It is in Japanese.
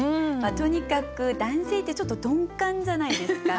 とにかく男性ってちょっと鈍感じゃないですか。